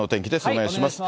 お願いします。